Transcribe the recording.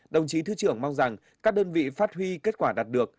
đồng chí thứ trưởng mong rằng các đơn vị phát huy kết quả đạt được